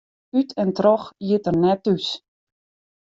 Ut en troch iet er net thús.